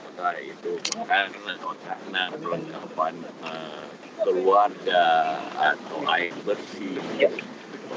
maka itu bukanlah pelengkapan keluarga atau air bersih